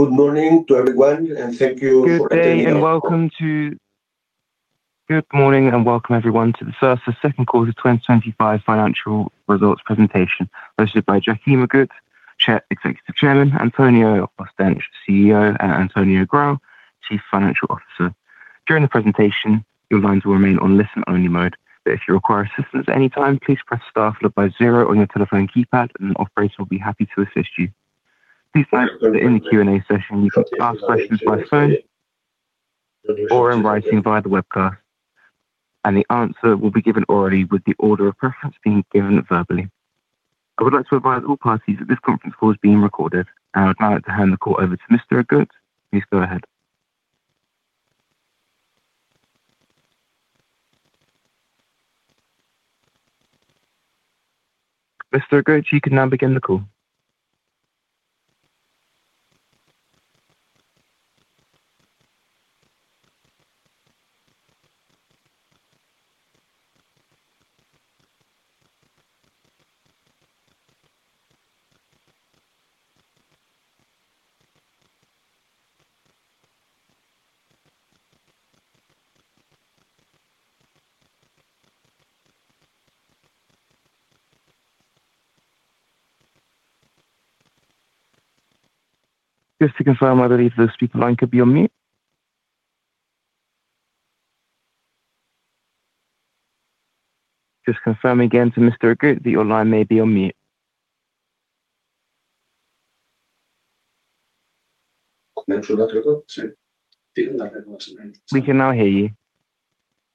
Good morning to everyone, and thank you for attending. Morning and welcome to. Good morning and welcome, everyone, to the first of the second quarter 2025 financial results presentation hosted by Joaquim Agut, Executive Chairman, Antonio Hostench, CEO, and Antonio Grau, Chief Financial Officer. During the presentation, your lines will remain on listen-only mode, but if you require assistance at any time, please press star followed by zero on your telephone keypad, and an operator will be happy to assist you. Please note that in the Q&A session, you can ask questions by phone or in writing via the webcam, and the answer will be given orally with the order of preference being given verbally. I would like to advise all parties that this conference call is being recorded, and I would now like to hand the call over to Mr. Agut. Please go ahead. Mr. Agut, you can now begin the call. Just to confirm, I believe the speaker line could be on mute. Just confirm again to Mr. Agut that your line may be on mute. We can now hear you.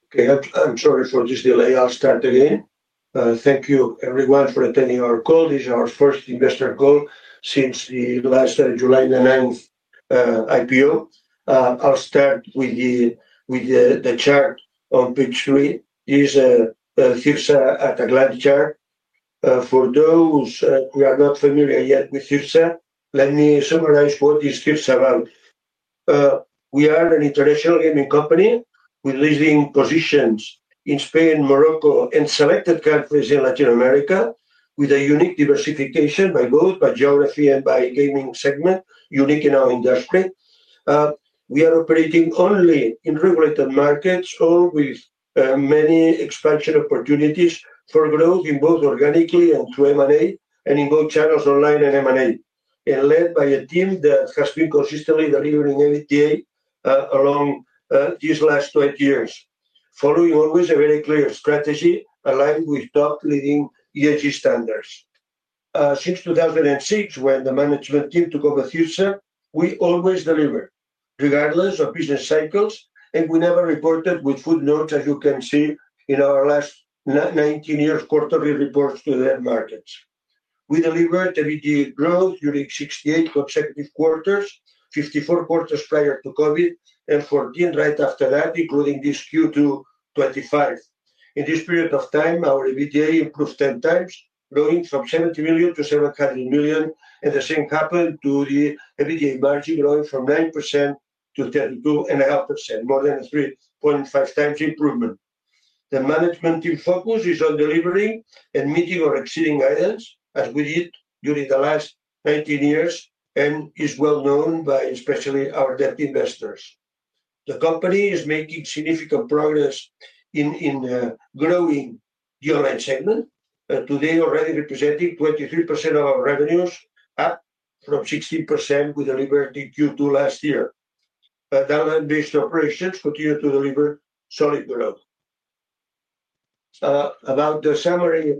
Okay. I'm sorry for this delay. I'll start again. Thank you, everyone, for attending our call. This is our first investor call since the last July 9, IPO. I'll start with the chart on PIP3. It is a CIRSA at a glance chart. For those who are not familiar yet with CIRSA, let me summarize what is CIRSA about. We are an international gaming company with leading positions in Spain, Morocco, and selected countries in Latin America, with a unique diversification by both geography and by gaming segment, unique in our own industry. We are operating only in regulated markets, all with many expansion opportunities for growth both organically and through M&A, and in both channels, online and M&A, and led by a team that has been consistently delivering every day along these last 20 years, following always a very clear strategy aligned with top-leading ESG standards. Since 2006, when the management team took over CIRSA, we always delivered, regardless of business cycles, and we never reported with footnotes, as you can see in our last 19 years' quarterly reports to the markets. We delivered every day growth during 68 consecutive quarters, 54 quarters prior to COVID, and 14 right after that, including this Q2 2025. In this period of time, our EBITDA improved 10x, growing from €70 million - €700 million, and the same happened to the EBITDA margin, growing from 9% - 32.5%, more than 3.5x improvement. The management team's focus is on delivering and meeting or exceeding goals, as we did during the last 19 years, and is well known by especially our debt investors. The company is making significant progress in growing the online segment, today already representing 23% of our revenues, up from 16% we delivered in Q2 last year. Down-on-based operations continue to deliver solid growth. About the summary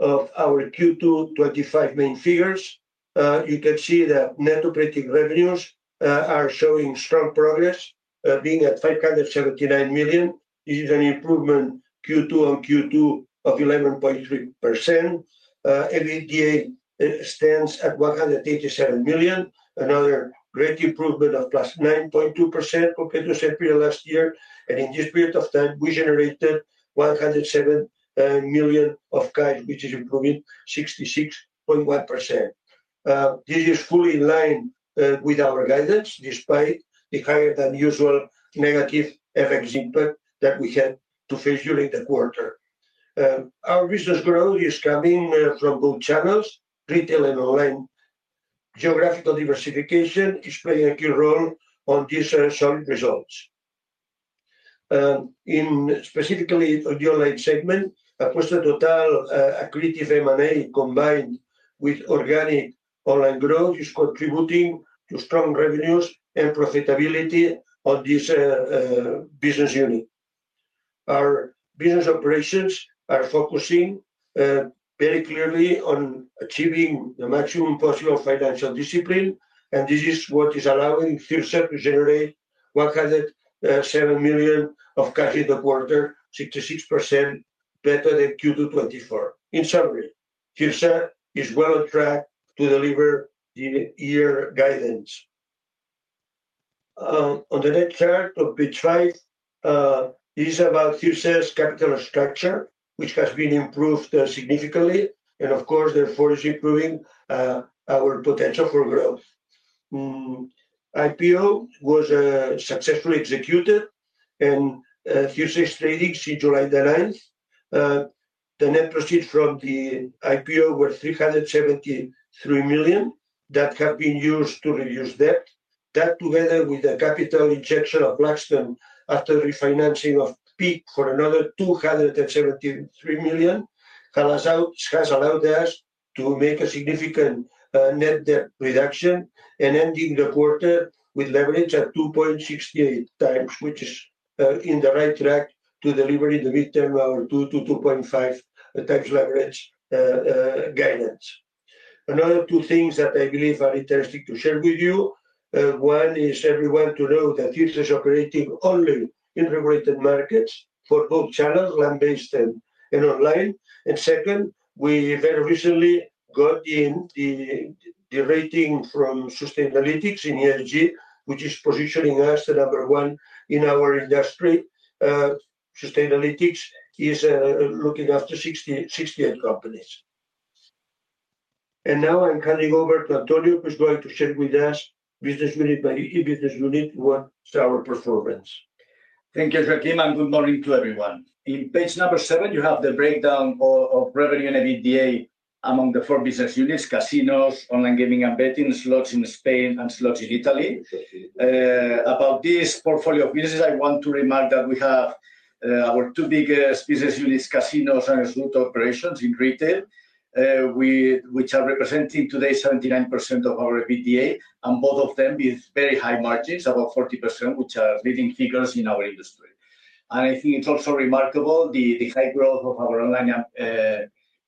of our Q2 2025 main figures, you can see the net operating revenues are showing strong progress, being at €579 million. This is an improvement Q2 on Q2 of 11.3%. EBITDA stands at €187 million, another great improvement of plus 9.2% compared to the last year. In this period of time, we generated €107 million of cash, which is improving 66.1%. This is fully in line with our guidance, despite the higher than usual negative FX input that we had to face during the quarter. Our business growth is coming from both channels, retail and online. Geographical diversification is playing a key role on these solid results. Specifically on the online segment, Apuesta Total accretive M&A combined with organic online growth is contributing to strong revenues and profitability on this business unit. Our business operations are focusing very clearly on achieving the maximum possible financial discipline, and this is what is allowing CIRSA to generate €107 million of cash in the quarter, 66% better than Q2 2024. In summary, CIRSA is well on track to deliver the year guidance. On the next chart on page five, it is about CIRSA's capital structure, which has been improved significantly, and of course, therefore is improving our potential for growth. IPO was successfully executed, and CIRSA is trading since July 9. The net proceeds from the IPO were €373 million that have been used to reduce debt. That together with the capital injection of Blackstone after the refinancing of PEAK for another €273 million, has allowed us to make a significant net debt reduction and ending the quarter with leverage at 2.68x, which is in the right track to deliver in the midterm our 2-2.5x leverage guidance. Another two things that I believe are interesting to share with you. One is everyone to know that this is operating only in regulated markets for both channels, land-based and online. Second, we very recently got in the rating from Sustainalytics in ESG, which is positioning us at number one in our industry. Sustainalytics is looking after 60 companies. Now I'm handing over to Antonio, who's going to share with us business unit by business unit what's our performance. Thank you, Joaquim, and good morning to everyone. In page number seven, you have the breakdown of revenue and EBITDA among the four business units: casinos, online gaming and betting, slots in Spain, and slots in Italy. About this portfolio of businesses, I want to remark that we have our two biggest business units, casinos and slot operations in retail, which are representing today 79% of our EBITDA, and both of them with very high margins, about 40%, which are leading figures in our industry. I think it's also remarkable the high growth of our online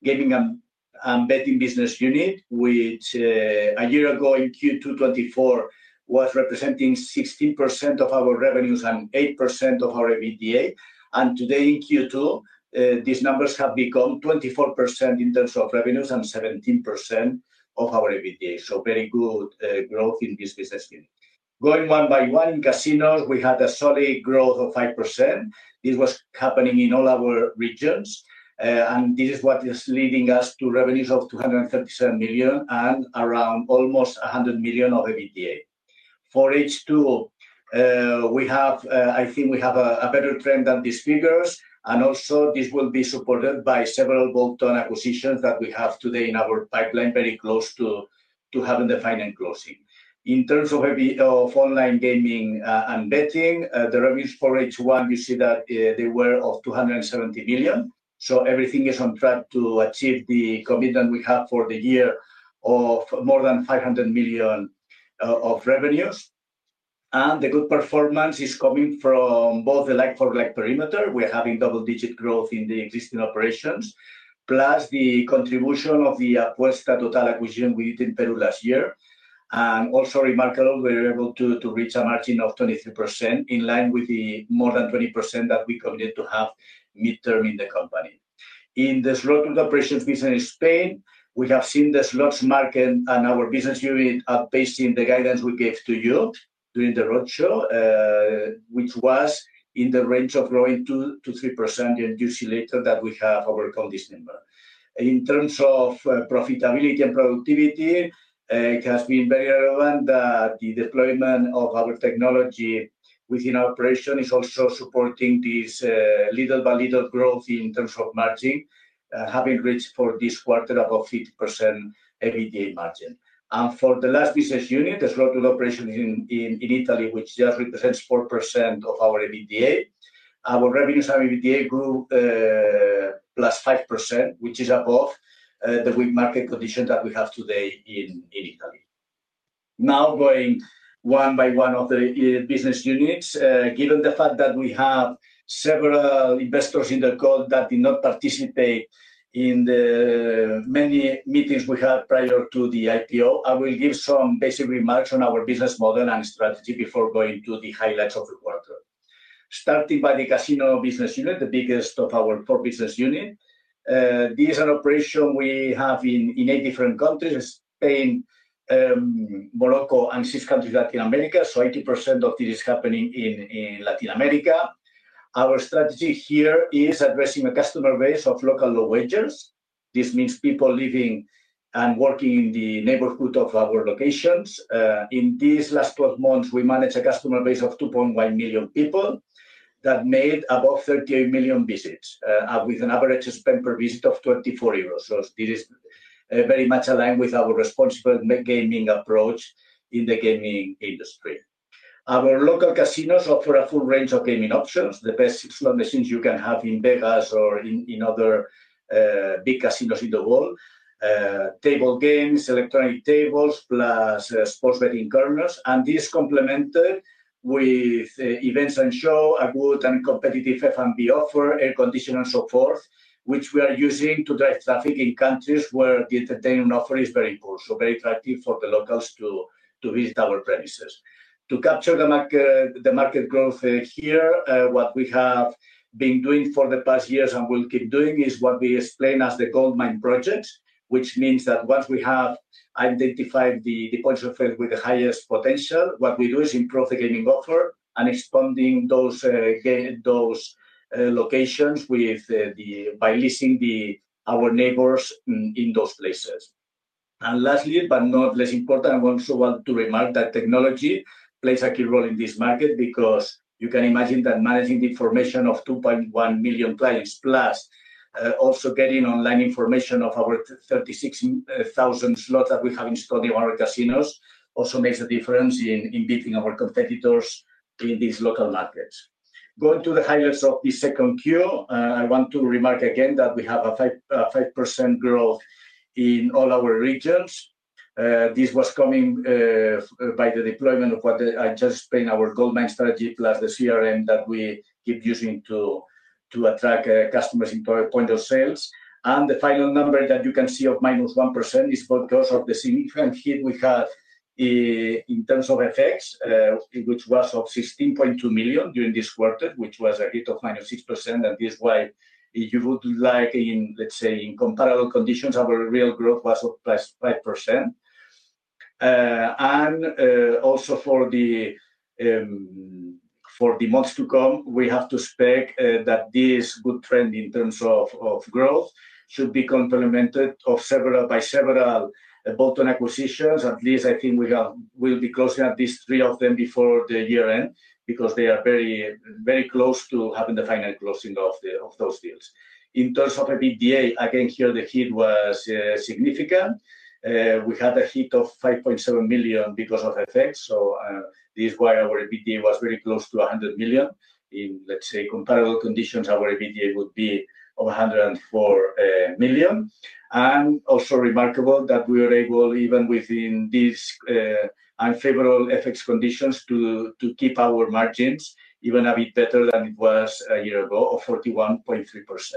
gaming and betting business unit, which a year ago in Q2 2024 was representing 16% of our revenues and 8% of our EBITDA. Today in Q2, these numbers have become 24% in terms of revenues and 17% of our EBITDA. Very good growth in this business unit. Going one by one, in casinos, we had a solid growth of 5%. This was happening in all our regions, and this is what is leading us to revenues of €237 million and around almost €100 million of EBITDA. For H2, I think we have a better trend than these figures, and this will be supported by several bonds and acquisitions that we have today in our pipeline, very close to having the final closing. In terms of online gaming and betting, the revenues for H1, you see that they were €270 million. Everything is on track to achieve the commitment we have for the year of more than €500 million of revenues. The good performance is coming from both the like-for-like perimeter. We're having double-digit growth in the existing operations, plus the contribution of the Apuesta Total acquisition we did in Peru last year. Also remarkable, we were able to reach a margin of 23% in line with the more than 20% that we committed to have midterm in the company. In the slot operations business in Spain, we have seen the slots market and our business unit are facing the guidance we gave to you during the roadshow, which was in the range of growing 2% - 3% during the usual latent that we have overcome this number. In terms of profitability and productivity, it has been very relevant that the deployment of our technology within our operation is also supporting this little by little growth in terms of margin, having reached for this quarter about 50% EBITDA margin. For the last business unit, the slot operations in Italy, which just represents 4% of our EBITDA, our revenues and EBITDA grew +5%, which is above the market conditions that we have today in Italy. Now, going one by one of the business units, given the fact that we have several investors in the call that did not participate in the many meetings we had prior to the IPO, I will give some basic remarks on our business model and strategy before going to the highlights of the quarter. Starting with the casino business unit, the biggest of our four business units, this is an operation we have in eight different countries: Spain, Morocco, and six countries in Latin America. 80% of it is happening in Latin America. Our strategy here is addressing a customer base of local low wages. This means people living and working in the neighborhood of our locations. In these last 12 months, we managed a customer base of 2.1 million people that made above 38 million visits, with an average spend per visit of €24. This is very much aligned with our responsible gaming approach in the gaming industry. Our local casinos offer a full range of gaming options, the best slot machines you can have in Vegas or in other big casinos in the world, table games, electronic tables, plus sports betting corners. This is complemented with events and shows, a good and competitive F&B offer, air conditioning, and so forth, which we are using to drive traffic in countries where the entertainment offer is very good. Very attractive for the locals to visit our places. To capture the market growth here, what we have been doing for the past years and will keep doing is what we explain as the gold mine project, which means that once we have identified the points of sale with the highest potential, what we do is improve the gaming offer and expand those locations by leasing our neighbors in those places. Lastly, but not less important, I also want to remark that technology plays a key role in this market because you can imagine that managing the information of 2.1 million clients, plus also getting online information of our 36,000 slots that we have installed in our casinos, also makes a difference in beating our competitors in these local markets. Going to the highlights of this second quarter, I want to remark again that we have a 5% growth in all our regions. This was coming by the deployment of what I just explained, our gold mine strategy, plus the CRM that we keep using to attract customers in PowerPoint ourselves. The final number that you can see of -1% is because of the significant hit we had in terms of FX, which was €16.2 million during this quarter, which was a hit of -6%. This is why you would like, in, let's say, in comparable conditions, our real growth was 5%. Also, for the months to come, we have to expect that this good trend in terms of growth should be complemented by several bond acquisitions. At least I think we will be closing at least three of them before the year end because they are very, very close to having the final closing of those deals. In terms of EBITDA, again, here the hit was significant. We had a hit of €5.7 million because of FX. This is why our EBITDA was very close to €100 million. In, let's say, comparable conditions, our EBITDA would be €104 million. Also remarkable that we were able, even within these unfavorable FX conditions, to keep our margins even a bit better than it was a year ago at 41.3%.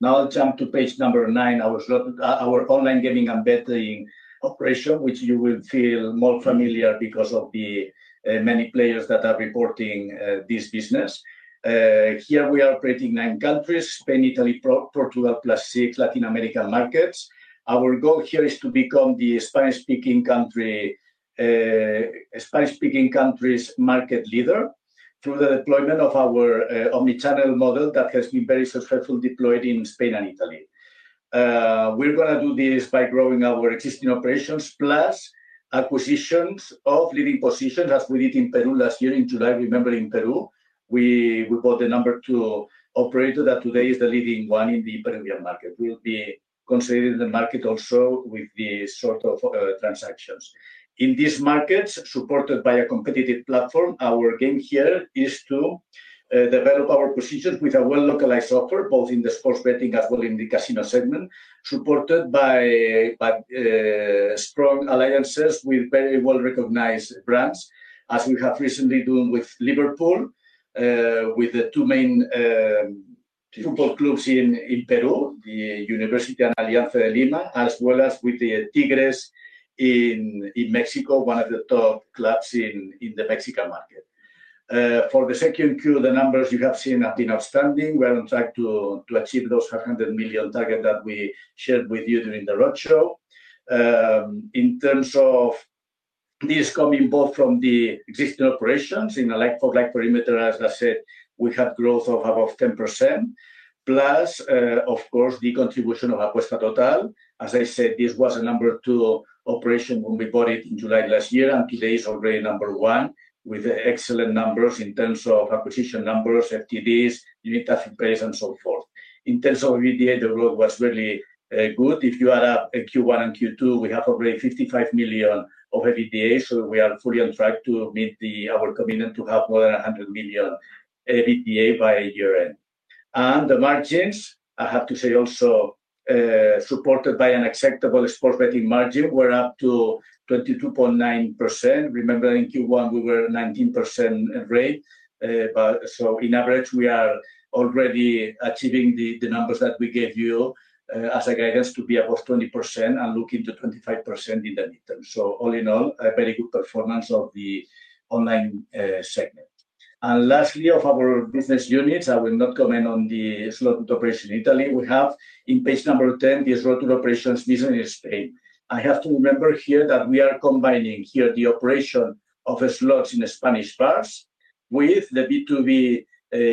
Now I'll jump to page number nine, our online gaming and betting operation, which you will feel more familiar with because of the many players that are reporting this business. Here we are operating in nine countries: Spain, Italy, Portugal, plus six Latin American markets. Our goal here is to become the Spanish-speaking country market leader through the deployment of our omnichannel model that has been very successfully deployed in Spain and Italy. We are going to do this by growing our existing operations, plus acquisitions of leading positions, as we did in Peru last year. In July, I remember in Peru, we got the number two operator that today is the leading one in the Peruvian market. We will be considering the market also with these sorts of transactions. In these markets, supported by a competitive platform, our game here is to develop our positions with a well-localized offer, both in the sports betting as well as in the casino segment, supported by strong alliances with very well-recognized brands, as we have recently done with Liverpool, with the two main football clubs in Peru, the Universidad Alianza de Lima, as well as with the Tigres in Mexico, one of the top clubs in the Mexican market. For the second quarter, the numbers you have seen have been outstanding. We're on track to achieve those €500 million target that we shared with you during the roadshow. In terms of this coming both from the existing operations in the like-for-like perimeter, as I said, we have growth of about 10%+, of course, the contribution of Apuesta Total. As I said, this was a number two operation when we bought it in July last year, and today it's already number one with excellent numbers in terms of acquisition numbers, FTDs, unit asset price, and so forth. In terms of EBITDA, the growth was really good. If you add up Q1 and Q2, we have already €55 million of EBITDA. We are fully on track to meet our commitment to have more than €100 million EBITDA by year end. The margins, I have to say also, supported by an acceptable sports betting margin, were up to 22.9%. Remember in Q1, we were at 19% rate. On average, we are already achieving the numbers that we gave you as a guidance to be above 20% and looking to 25% in the midterm. All in all, a very good performance of the online segment. Lastly, of our business units, I will not comment on the slot operation in Italy. We have in page number 10 the slot operations business in Spain. I have to remember here that we are combining here the operation of slots in the Spanish bars with the B2B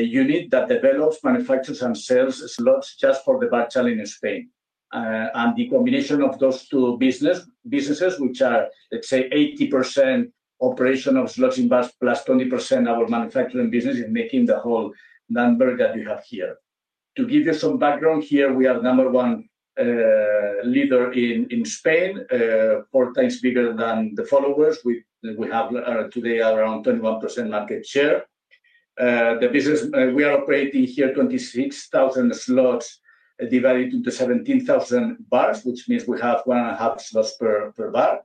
unit that develops, manufactures, and sells slots just for the bachelor in Spain. The combination of those two businesses, which are, let's say, 80% operation of slots in bars +20% our manufacturing business, is making the whole number that you have here. To give you some background here, we are the number one leader in Spain, four times bigger than the followers. We have today around 21% market share. The business we are operating here, 26,000 slots divided into 17,000 bars, which means we have one and a half slots per bar.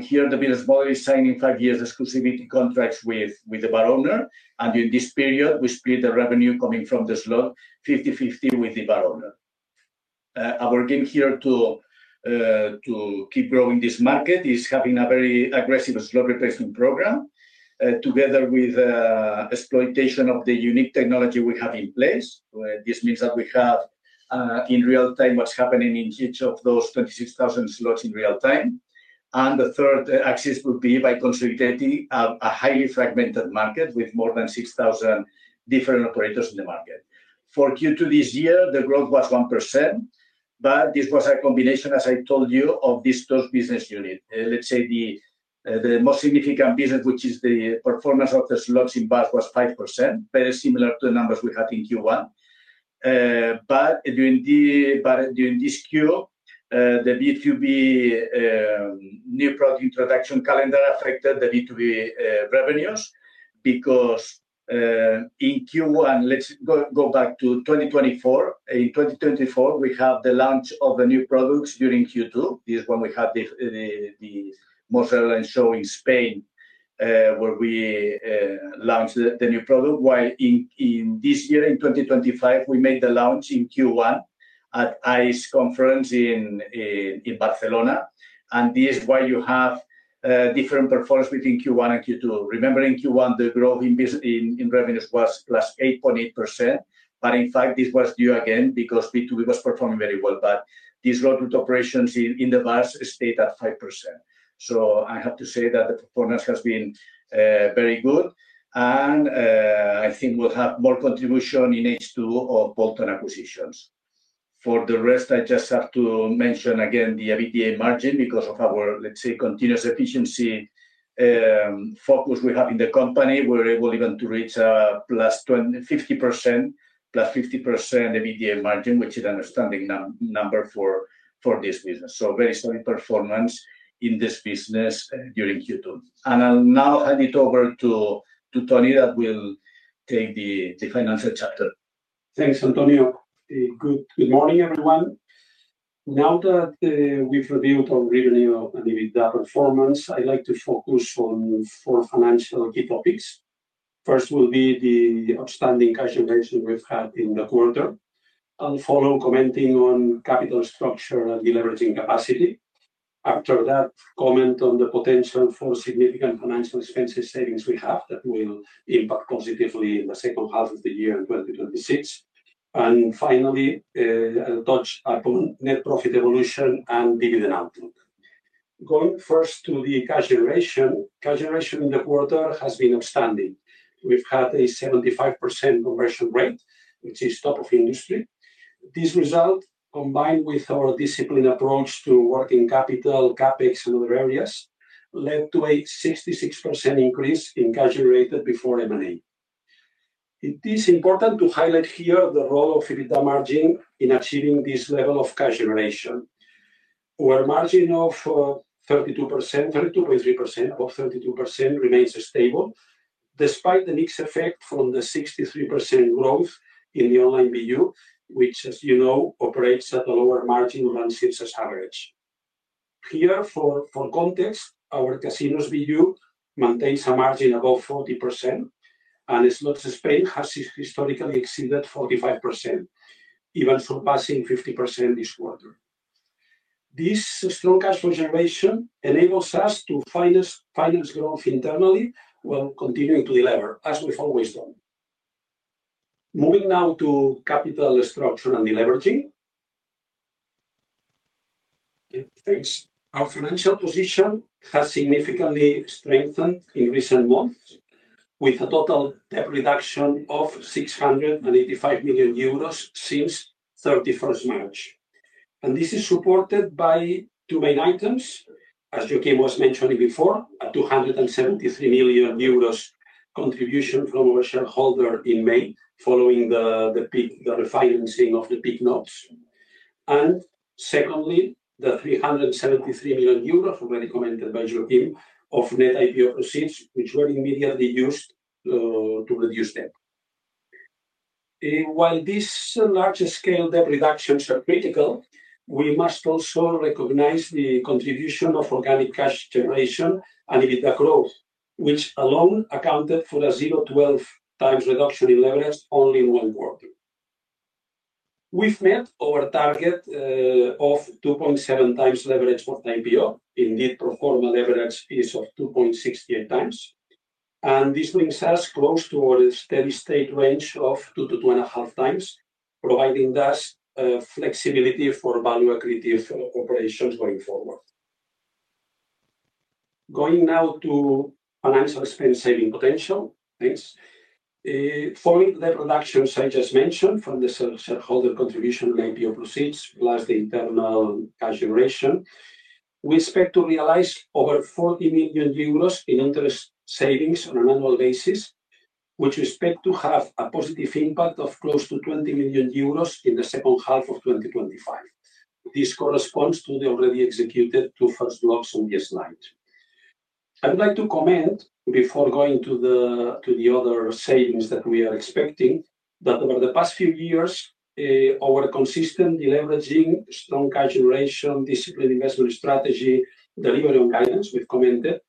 Here, the business model is signing five years exclusivity contracts with the bar owner. During this period, we split the revenue coming from the slot 50/50 with the bar owner. Our aim here to keep growing this market is having a very aggressive slot replacement program, together with exploitation of the unique technology we have in place. This means that we have in real time what's happening in each of those 26,000 slots in real time. The third axis would be by consolidating a highly fragmented market with more than 6,000 different operators in the market. For Q2 this year, the growth was 1%, but this was a combination, as I told you, of this first business unit. Let's say the most significant business, which is the performance of the slots in bars, was 5%, very similar to the numbers we had in Q1. During this Q, the B2B new product introduction calendar affected the B2B revenues because in Q1, let's go back to 2024. In 2024, we have the launch of the new products during Q2. This is when we have the most relevant show in Spain, where we launched the new product. While in this year, in 2025, we made the launch in Q1 at ICE Conference in Barcelona. This is why you have different performance between Q1 and Q2. Remember in Q1, the growth in revenues was plus 8.8%. In fact, this was due again because B2B was performing very well. These route operations in the bars stayed at 5%. I have to say that performance has been very good. I think we'll have more contribution in H2 of bond acquisitions. For the rest, I just have to mention again the EBITDA margin because of our, let's say, continuous efficiency focus we have in the company. We were able even to reach a +50% EBITDA margin, which is an outstanding number for this business. Very solid performance in this business during Q2. I'll now hand it over to Antonio that will take the financial chapter. Thanks, Antonio. Good morning, everyone. Now that we've reviewed our revenue and EBITDA performance, I'd like to focus on four financial key topics. First will be the outstanding cash generation we've had in the quarter. I'll follow commenting on capital structure and the leveraging capacity. After that, comment on the potential for significant financial expenses savings we have that will impact positively in the second half of the year 2026. Finally, I'll touch upon net profit evolution and dividend output. Going first to the cash generation. Cash generation in the quarter has been outstanding. We've had a 75% conversion rate, which is top of industry. This result, combined with our disciplined approach to working capital, CapEx, and other areas, led to a 66% increase in cash generated before M&A. It is important to highlight here the role of EBITDA margin in achieving this level of cash generation. Our margin of 32.3% remains stable despite the mixed effect from the 63% growth in the online venue, which, as you know, operates at a lower margin than CIRSA's average. Here for context, our casinos venue maintains a margin above 40%, and slots in Spain have historically exceeded 45%, even surpassing 50% this quarter. This strong cash flow generation enables us to finance growth internally while continuing to deliver, as we've always done. Moving now to capital structure and the leveraging. Our financial position has significantly strengthened in recent months, with a total debt reduction of €685 million since 31 March. This is supported by two main items, as Joaquim Agut was mentioning before, a €273 million contribution from our shareholder in May, following the refinancing of the PIC notes. Secondly, the €373 million already commented by Joaquim of net IPO proceeds, which were immediately used to reduce debt. While these large-scale debt reductions are critical, we must also recognize the contribution of organic cash generation and EBITDA growth, which alone accounted for a 0.12x reduction in leverage only in one quarter. We've met our target of 2.7x leverage for IPO. Indeed, the performance leverage is of 2.68x. This brings us close to our steady state range of 2 to 2.5x, providing thus flexibility for value accretive operations going forward. Going now to financial expense saving potential. Thanks. Following the reductions I just mentioned from the shareholder contribution and IPO proceeds, plus the internal cash generation, we expect to realize over €40 million in interest savings on a normal basis, which we expect to have a positive impact of close to €20 million in the second half of 2025. This corresponds to the already executed two first blocks in this slide. I'd like to comment before going to the other savings that we are expecting, that over the past few years, our consistent leveraging, strong cash generation, disciplined investment strategy, delivering guidance we've commended,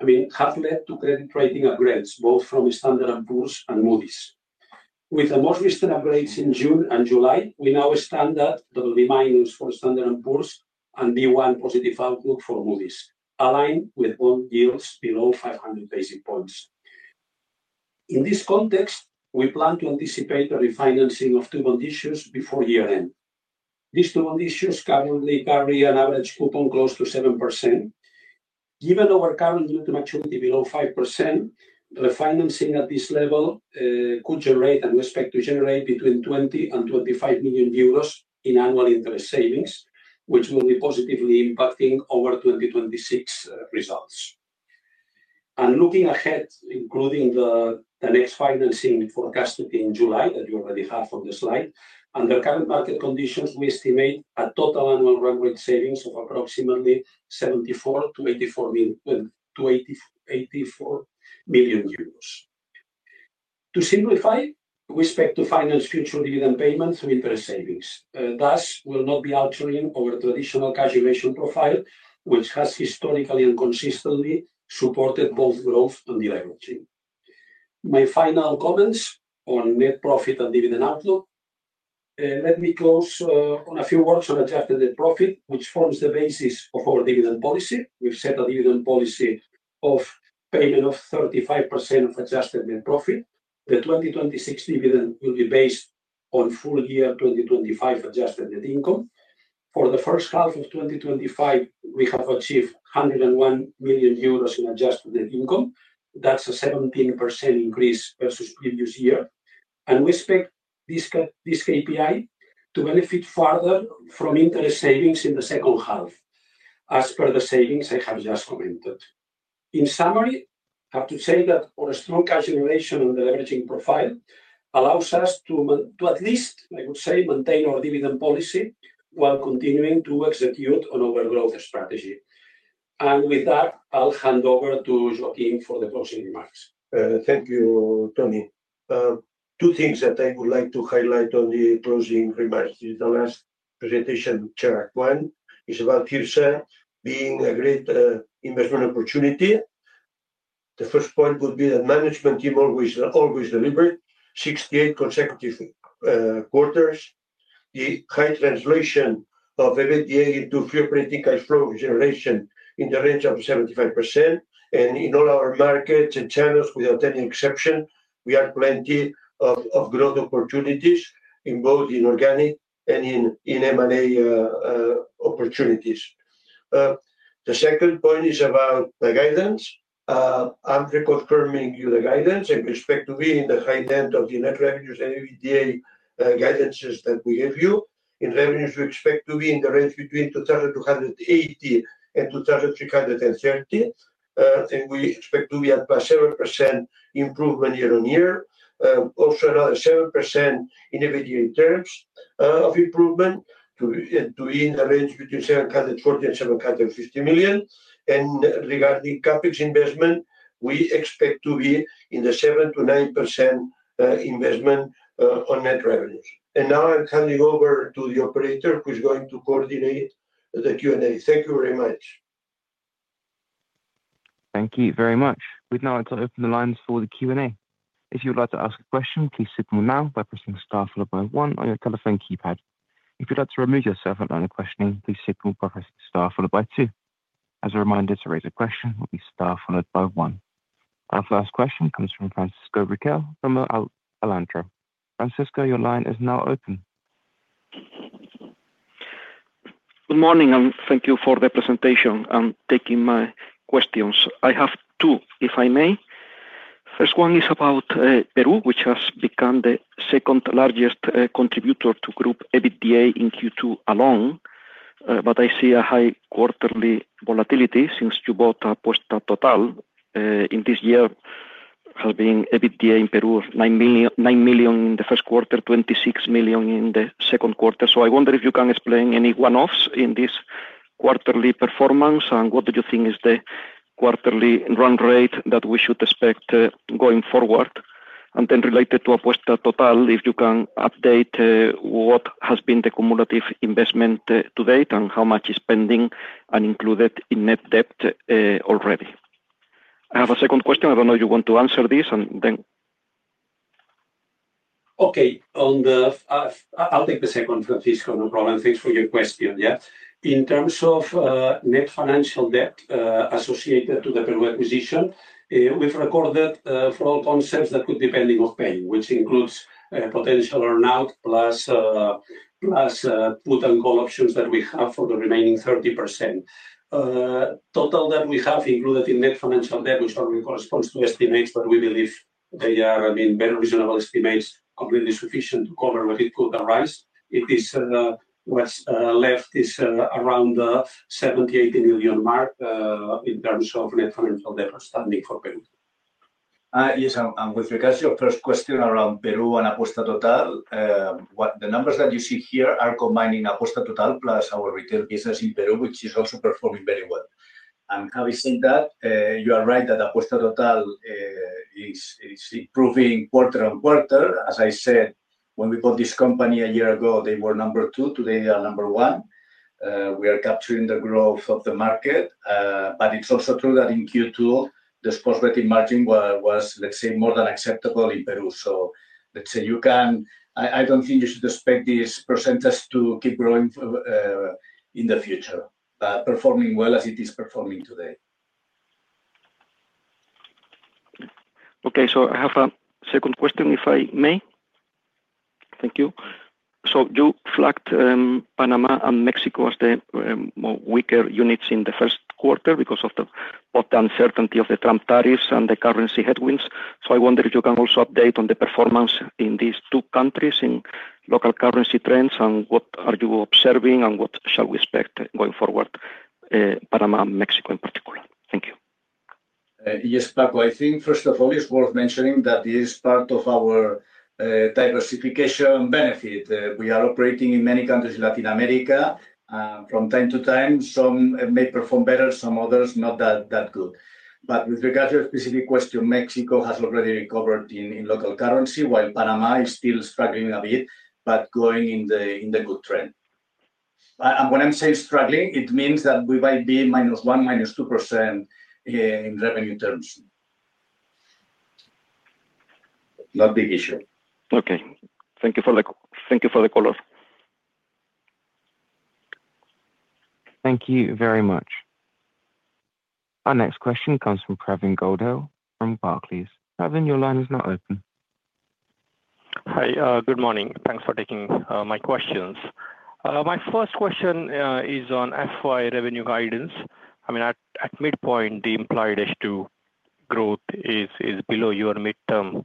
I mean, has led to credit rating upgrades, both from Standard & Poor's and Moody's. With the most recent upgrades in June and July, we now stand at the remaining score Standard & Poor's and B1 positive outlook for Moody's, aligned with all yields below 500 basis points. In this context, we plan to anticipate a refinancing of two bond issues before year end. These two bond issues currently carry an average coupon close to 7%. Given our current yield to maturity below 5%, refinancing at this level could generate, and we expect to generate, between €20 million and €25 million in annual interest savings, which will be positively impacting our 2026 results. Looking ahead, including the next financing forecasted in July, that you already have from the slide, under current market conditions, we estimate a total annual revenue savings of approximately €74 million - €84 million. To simplify, we expect to finance future dividend payments and interest savings. Thus, we'll not be altering our traditional cash generation profile, which has historically and consistently supported both growth and the leveraging. My final comments on net profit and dividend outlook. Let me close on a few words on adjusted net profit, which forms the basis of our dividend policy. We've set a dividend policy of payment of 35% of adjusted net profit. The 2026 dividend will be based on full-year 2025 adjusted net income. For the first half of 2025, we have achieved €101 million in adjusted net income. That's a 17% increase versus the previous year. We expect this KPI to benefit further from interest savings in the second half, as per the savings I have just commented. In summary, I have to say that our strong cash generation and the leveraging profile allow us to at least, I would say, maintain our dividend policy while continuing to execute on our growth strategy. With that, I'll hand over to Joaquim for the closing remarks. Thank you, Tony. Two things that I would like to highlight on the closing remarks. The last presentation chart, one is about CIRSA being a great investment opportunity. The first point would be that the management team always delivered 68 consecutive quarters. The high translation of EBITDA into pure printing cash flow generation in the range of 75%. In all our markets and channels, without any exception, we have plenty of growth opportunities in both organic and in M&A opportunities. The second point is about the guidance. I'm reconfirming you the guidance. I expect to be in the high end of the net revenues and EBITDA guidances that we give you. In revenues, we expect to be in the range between €2,280 million and €2,330 million. We expect to be at about 7% improvement year on year. Also, another 7% in EBITDA terms of improvement to be in the range between €740 million and €750 million. Regarding CapEx investment, we expect to be in the 7% - 9% investment on net revenue. Now I'm handing over to the operator who is going to coordinate the Q&A. Thank you very much. Thank you very much. We've now entered the opening lines for the Q&A. If you would like to ask a question, please signal now by pressing star followed by one on your telephone keypad. If you'd like to remove yourself at the end of questioning, please signal by pressing star followed by two. As a reminder, to raise a question will be star followed by one. Our first question comes from Francisco Riquel from Alantra. Francisco, your line is now open. Good morning. Thank you for the presentation and taking my questions. I have two, if I may. The first one is about Peru, which has become the second largest contributor to group EBITDA in Q2 alone. I see a high quarterly volatility since you bought Apuesta Total. In this year, it has been EBITDA in Peru of €9 million in the first quarter, €26 million in the second quarter. I wonder if you can explain any one-offs in this quarterly performance and what you think is the quarterly run rate that we should expect going forward. Related to Apuesta Total, if you can update what has been the cumulative investment to date and how much is pending and included in net debt already. I have a second question. I don't know if you want to answer this and then. Okay. I'll take the second from this one. Thanks for your question. Yeah. In terms of net financial debt associated to the PRU acquisition, we've recorded for all concepts that could be pending of paying, which includes potential earnout plus put and call options that we have for the remaining 30%. Total that we have included in net financial debt, which probably corresponds to estimates, but we believe they are, I mean, very reasonable estimates, completely sufficient to cover what it could arise. It is what's left is around the €70 million - €80 million mark in terms of net financial debt standing for PRU. Yes, with regards to your first question around Peru and Apuesta Total, the numbers that you see here are combining Apuesta Total plus our retail business in Peru, which is also performing very well. You are right that Apuesta Total is improving quarter on quarter. As I said, when we bought this company a year ago, they were number two. Today, they are number one. We are capturing the growth of the market. It's also true that in Q2, the sports betting margin was, let's say, more than acceptable in Peru. I don't think you should expect this percentage to keep growing in the future, performing well as it is performing today. Okay. I have a second question, if I may. Thank you. You flagged Panama and Mexico as the more weaker units in the first quarter because of the uncertainty of the Trump tariffs and the currency headwinds. I wonder if you can also update on the performance in these two countries in local currency trends and what are you observing and what shall we expect going forward, Panama and Mexico in particular. Thank you. Yes, Paco. I think, first of all, it's worth mentioning that this is part of our diversification benefit. We are operating in many countries in Latin America. From time to time, some may perform better, some others not that good. With regards to your specific question, Mexico has already recovered in local currency, while Panama is still struggling a bit, but going in the good trend. When I'm saying struggling, it means that we might be -1%, -2% in revenue terms. Not a big issue. Okay, thank you for the color. Thank you very much. Our next question comes from Pravin Gondhale from Barclays. Kevin, your line is now open. Hi. Good morning. Thanks for taking my questions. My first question is on FY revenue guidance. I mean, at midpoint, the implied H2 growth is below your midterm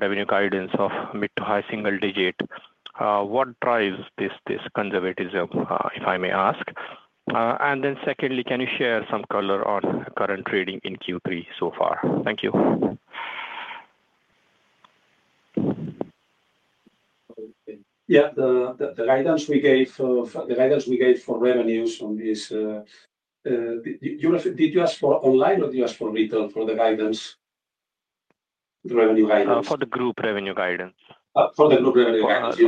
revenue guidance of mid to high single digit. What drives this conservatism, if I may ask? Secondly, can you share some color on current trading in Q3 so far? Thank you. Yeah, the guidance we gave for revenues from this, did you ask for online or did you ask for retail for the guidance? For the group revenue guidance. For the group revenue guidance.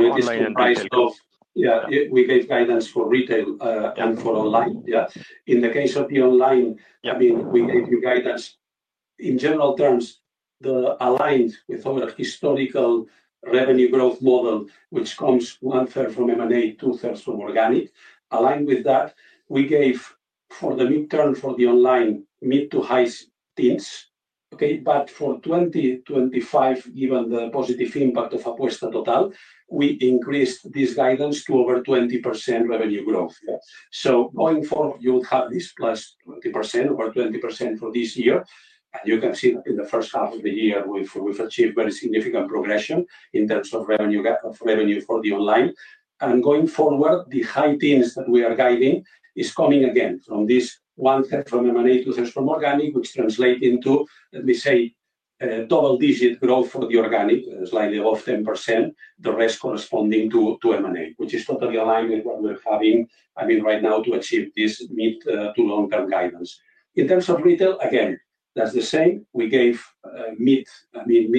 Yeah. We gave guidance for retail and for online. In the case of the online, we gave you guidance. In general terms, they're aligned with some of the historical revenue growth model, which comes 1/3 from M&A, 2/3 from organic. Aligned with that, we gave for the midterm for the online mid to high teens. For 2025, given the positive impact of Apuesta Total, we increased this guidance to over 20% revenue growth. Going forward, you would have this +20% or 20% for this year. You can see that in the first half of the year, we've achieved very significant progression in terms of revenue for the online. Going forward, the high teens that we are guiding is coming again from this 1/3 from M&A, two-thirds from organic, which translates into, let me say, a double-digit growth for the organic, slightly above 10%. The rest corresponding to M&A, which is totally aligned with what we're having right now to achieve this mid to long-term guidance. In terms of retail, that's the same. We gave mid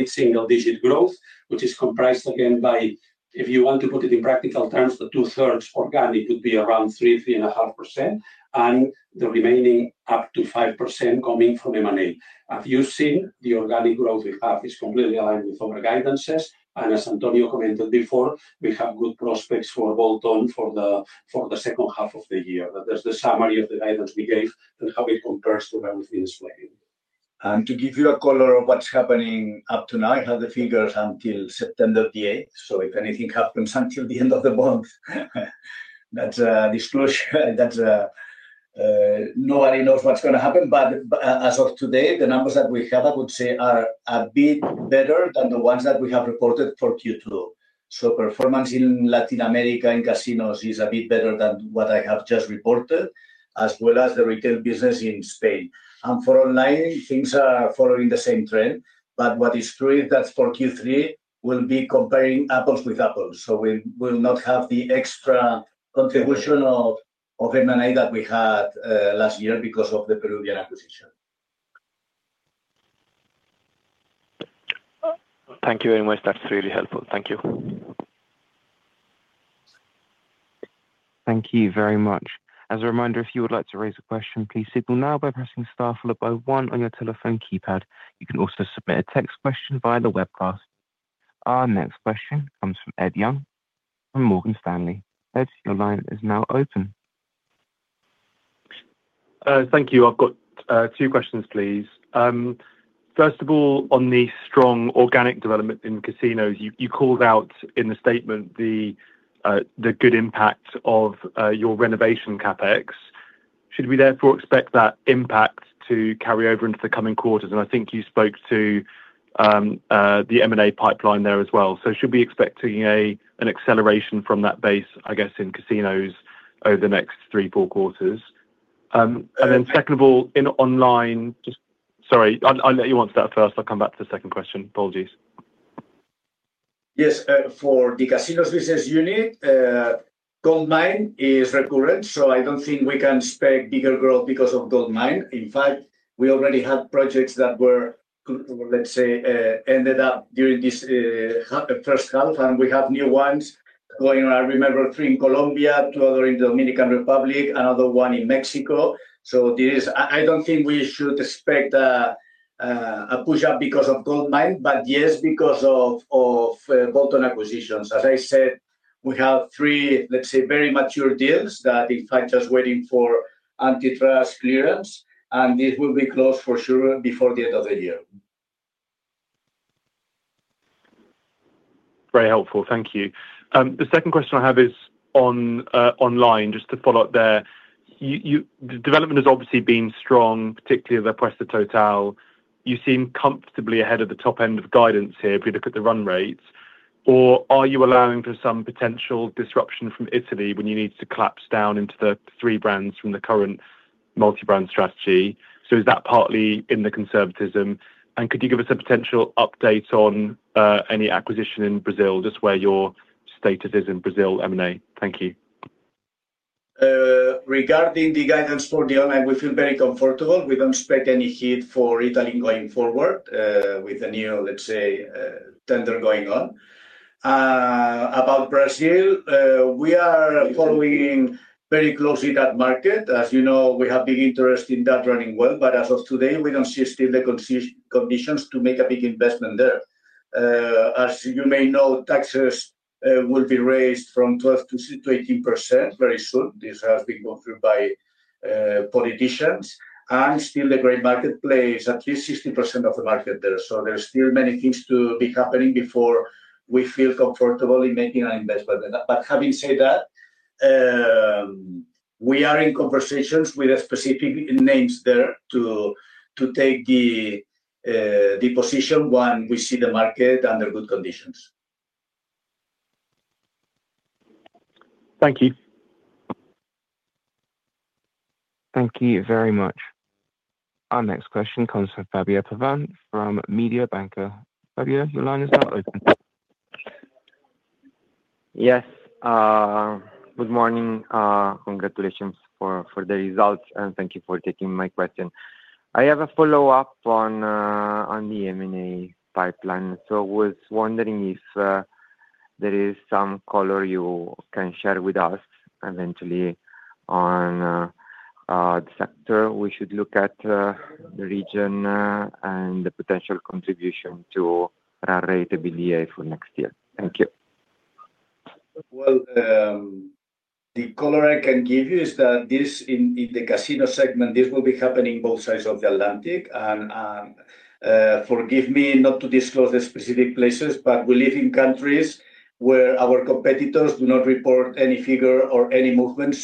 single-digit growth, which is comprised again by, if you want to put it in practical terms, the 2/3 organic would be around 3%, 3.5% and the remaining up to 5% coming from M&A. As you've seen, the organic growth we have is completely aligned with our guidances. As Antonio commented before, we have good prospects for a bolt-on for the second half of the year. That is the summary of the guidance we gave and how it compares to what we've been explaining. To give you a color of what's happening up to now, I have the figures until September 8. If anything happens until the end of the month, nobody knows what's going to happen. As of today, the numbers that we have, I would say, are a bit better than the ones that we have reported for Q2. Performance in Latin America and casinos is a bit better than what I have just reported, as well as the retail business in Spain. For online, things are following the same trend. What is true is that for Q3, we'll be comparing apples with apples. We will not have the extra contribution of M&A that we had last year because of the Peruvian acquisition. Thank you very much. That's really helpful. Thank you. Thank you very much. As a reminder, if you would like to raise a question, please signal now by pressing star followed by one on your telephone keypad. You can also submit a text question via the webcast. Our next question comes from Ed Young from Morgan Stanley. Ed, your line is now open. Thank you. I've got two questions, please. First of all, on the strong organic development in casinos, you called out in the statement the good impact of your renovation CapEx. Should we therefore expect that impact to carry over into the coming quarters? I think you spoke to the M&A pipeline there as well. Should we be expecting an acceleration from that base, I guess, in casinos over the next three, four quarters? Second of all, in online, sorry, I'll let you answer that first. I'll come back to the second question. Apologies. Yes. For the casinos business unit, gold mine is recurrent. I don't think we can expect bigger growth because of gold mine. In fact, we already have projects that were ended up during this first half, and we have new ones going on. I remember three in Colombia, two others in the Dominican Republic, another one in Mexico. I don't think we should expect a push-up because of gold mine, but yes, because of bolt-on acquisitions. As I said, we have three very mature deals that in fact are just waiting for antitrust clearance, and this will be closed for sure before the end of the year. Very helpful. Thank you. The second question I have is on online, just to follow up there. The development has obviously been strong, particularly the Apuesta Total. You seem comfortably ahead of the top end of guidance here if we look at the run rates. Are you allowing for some potential disruption from Italy when you need to collapse down into the three brands from the current multi-brand strategy? Is that partly in the conservatism? Could you give us a potential update on any acquisition in Brazil, just where your status is in Brazil M&A? Thank you. Regarding the guidance for the online, we feel very comfortable. We don't expect any hit for Italy going forward with the new, let's say, tender going on. About Brazil, we are following very closely that market. As you know, we have been interested in that running well, but as of today, we don't see still the conditions to make a big investment there. As you may know, taxes will be raised from 12% - 18% very soon. This has been offered by politicians. Still, the great marketplace, at least 60% of the market there. There are still many things to be happening before we feel comfortable in making an investment. Having said that, we are in conversations with specific names there to take the position when we see the market under good conditions. Thank you. Thank you very much. Our next question comes from Fabio Pavan from Mediobanca. Fabio, your line is now open. Yes. Good morning. Congratulations for the results, and thank you for taking my question. I have a follow-up on the M&A pipeline. I was wondering if there is some color you can share with us eventually on the sector we should look at, the region, and the potential contribution to our rate of EBITDA for next year. Thank you. The color I can give you is that in the casino segment, this will be happening in both sides of the Atlantic. Forgive me not to disclose the specific places, but we live in countries where our competitors do not report any figure or any movement.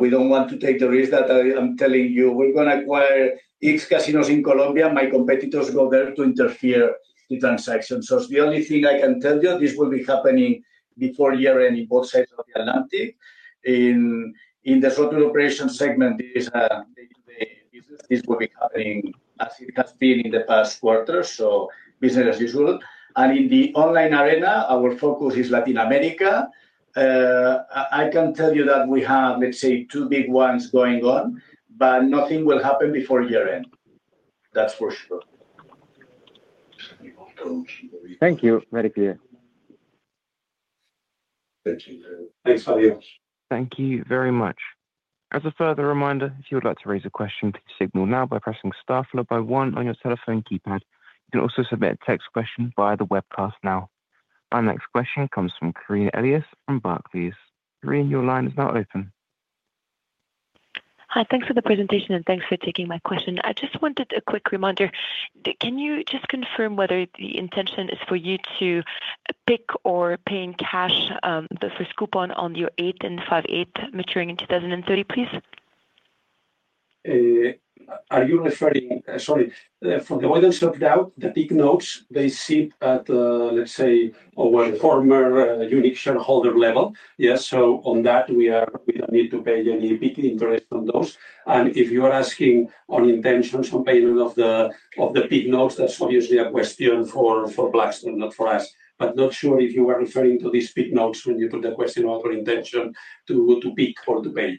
We don't want to take the risk that I'm telling you we're going to acquire its casinos in Colombia. My competitors go there to interfere with transactions. It's the only thing I can tell you. This will be happening before year-end in both sides of the Atlantic. In the sort of operation segment, this will be happening as it has been in the past quarter, so business as usual. In the online arena, our focus is Latin America. I can tell you that we have, let's say, two big ones going on, but nothing will happen before year-end. That's for sure. Thank you. Very clear. Thanks, Fabio. Thank you very much. As a further reminder, if you would like to raise a question, please signal now by pressing star followed by one on your telephone keypad. You can also submit a text question via the webcast now. Our next question comes from Karine Elias from Barclays. Karina, your line is now open. Hi. Thanks for the presentation and thanks for taking my question. I just wanted a quick reminder. Can you just confirm whether the intention is for you to pick or pay in cash the first coupon on your 8.625% maturing in 2030, please? Are you referring, sorry, for the orders of doubt, the PIC notes? They sit at, let's say, our former unique shareholder level. Yes. On that, we don't need to pay any PIC interest on those. If you are asking on intentions on payment of the PIC notes, that's obviously a question for PLUS and not for us. Not sure if you are referring to these PIC notes when you put the question of our intention to pick or to pay.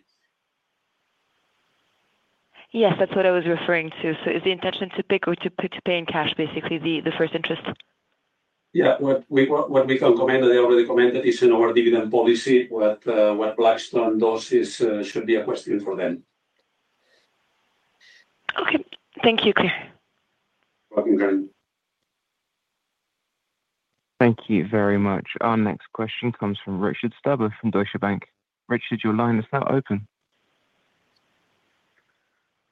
Yes, that's what I was referring to. Is the intention to pick or to pay in cash, basically, the first interest? Yeah. What we can comment, and I already commented, is in our dividend policy. What PLUS and those should be a question for them. Okay. Thank you, Claire. Thank you very much. Our next question comes from Richard Stuber of Deutsche Bank. Richard, your line is now open.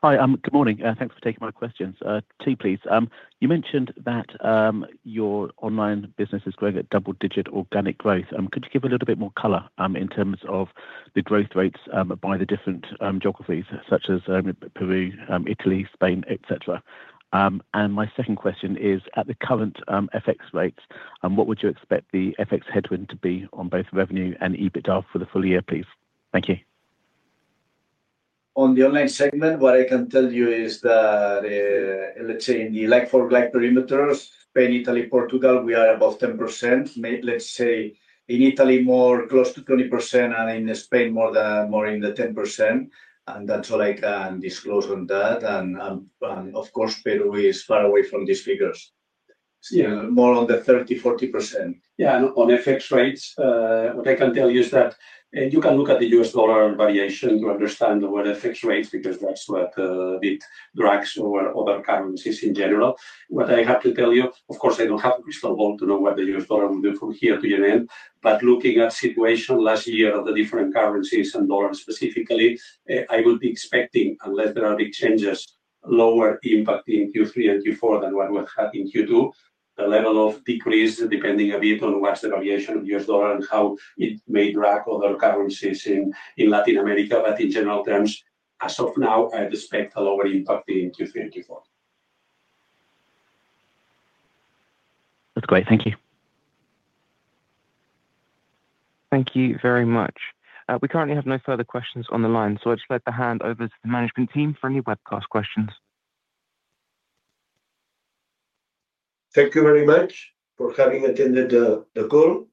Hi. Good morning. Thanks for taking my questions. Two, please. You mentioned that your online business is growing at double-digit organic growth. Could you give a little bit more color in terms of the growth rates by the different geographies, such as Peru, Italy, Spain, etc.? My second question is, at the current FX rates, what would you expect the FX headwind to be on both revenue and EBITDA for the full year, please? Thank you. On the online segment, what I can tell you is that, let's say, in the like for black perimeters, Spain, Italy, Portugal, we are above 10%. In Italy, more close to 20%, and in Spain, more in the 10%. That's all I can disclose on that. Of course, Peru is far away from these figures, more on the 30%, 40%. Yeah. On FX rates, what I can tell you is that, and you can look at the U.S. dollar variation to understand what FX rates because that's what drags other currencies in general. What I have to tell you, of course, I don't have a crystal ball to know what the US dollar will do from here to year-end. Looking at the situation last year of the different currencies and dollars specifically, I would be expecting, unless there are big changes, lower impact in Q3 and Q4 than what we've had in Q2. The level of decrease depends a bit on what's the variation of U.S. dollar and how it may drag other currencies in Latin America. In general terms, as of now, I expect a lower impact in Q3 and Q4. That's great. Thank you. Thank you very much. We currently have no further questions on the line. I'd just like to hand over to the management team for any webcast questions. Thank you very much for having attended the call.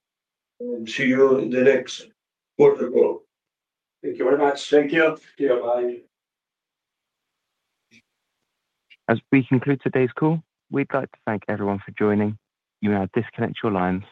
See you in the next quarter call. Thank you very much. Thank you. See you. As we conclude today's call, we'd like to thank everyone for joining. You may now disconnect your lines.